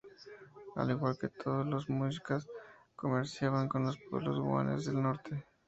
Al igual que todos los muiscas, comerciaban con los pueblos Guanes del norte.